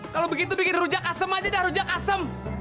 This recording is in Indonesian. kalau begitu bikin rujak asem aja udah rujak asem